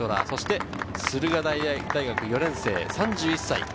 そして駿河台大学４年生、３１歳。